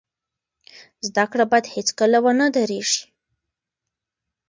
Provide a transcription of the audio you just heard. زده کړه باید هیڅکله ونه دریږي.